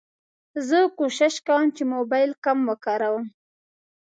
زه کوښښ کوم چې موبایل کم وکاروم.